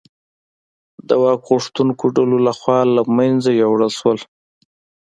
د واک غوښتونکو ډلو لخوا له منځه یووړل شول.